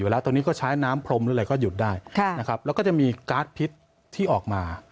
แล้วก็จะมีการสพิษที่ออกมา